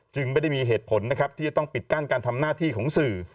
ไม่ได้มีเหตุผลนะครับที่จะต้องปิดกั้นการทำหน้าที่ของสื่อ